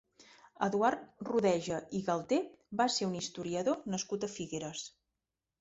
Eduard Rodeja i Galter va ser un historiador nascut a Figueres.